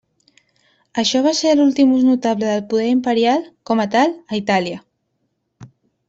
Això va ser l'últim ús notable del poder imperial, com a tal, a Itàlia.